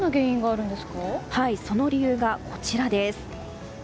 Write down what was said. その理由が、こちらです。